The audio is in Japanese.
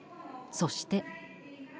そして。